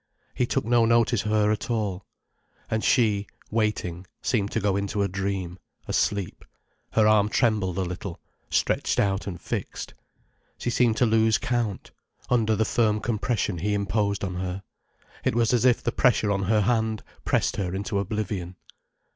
He took no notice of her at all. And she, waiting, seemed to go into a dream, a sleep, her arm trembled a little, stretched out and fixed. She seemed to lose count, under the firm compression he imposed on her. It was as if the pressure on her hand pressed her into oblivion.